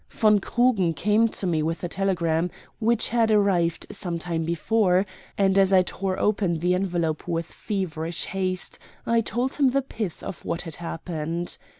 Von Krugen came to me with a telegram which had arrived some time before, and as I tore open the envelope with feverish haste I told him the pith of what had happened.